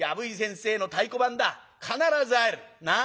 必ず会える。なあ。